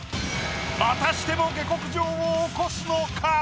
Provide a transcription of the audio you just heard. またしても下克上を起こすのか？